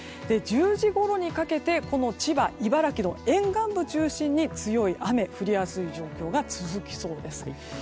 １０時ごろにかけて千葉、茨城の沿岸部中心に強い雨が降りやすい状況が続きそうです。